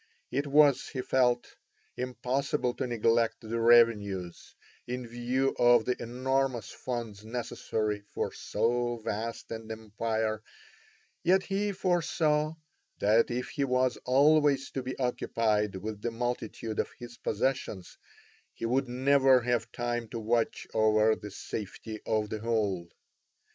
It was, he felt, impossible to neglect the revenues, in view of the enormous funds necessary for so vast an empire, yet he foresaw that if he was always to be occupied with the multitude of his possessions he would never have time to watch over the safety of the whole.